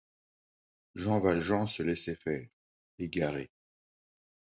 Jean Valjean se laissait faire, égaré.